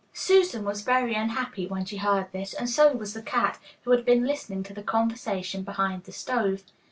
Susan was very unhappy when she heard this, and so was the cat, who had been listening to the conversation behind the stove.